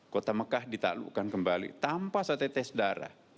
kota mekah ditalukan kembali tanpa setetes darah